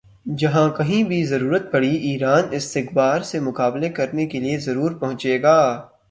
جہاں کہیں بھی ضرورت پڑی ایران استکبار سے مقابلہ کرنے کے لئے ضرور پہنچے گا